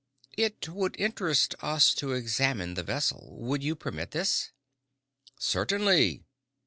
"It would interest us to examine the vessel. Would you permit this?" "Certainly."